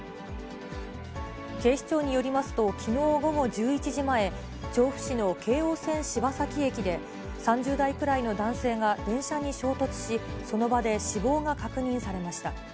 警視庁によりますと、きのう午後１１時前、調布市の京王線柴崎駅で、３０代くらいの男性が電車に衝突し、その場で死亡が確認されました。